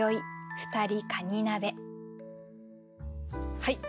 はい。